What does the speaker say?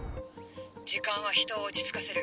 時間は人を落ち着かせる。